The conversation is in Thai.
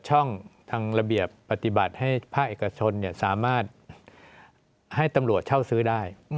ช่องทางระเบียบปฏิบัติให้ภาคเอกชนสามารถให้ตำรวจเช่าซื้อได้